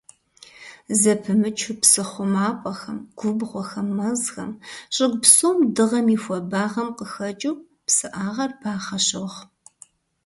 Зэпымычу псы хъумапӀэхэм, губгъуэхэм, мэзхэм, щӀыгу псом дыгъэм и хуабагъэм къыхэкӀыу псыӀагъэр бахъэ щохъу.